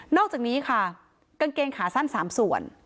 อกจากนี้ค่ะกางเกงขาสั้น๓ส่วน